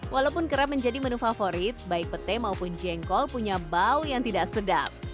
walaupun kerap menjadi menu favorit baik petai maupun jengkol punya bau yang tidak sedap